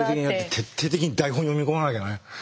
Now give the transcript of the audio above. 徹底的に台本読み込まなきゃね。